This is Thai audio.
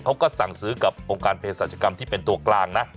เขาก็สั่งซื้อกับองค์การเพศรัชกรรมที่เป็นตัวกลางนะ